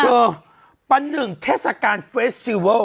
เกิดปันหนึ่งเทศกาลเฟสที่โวล์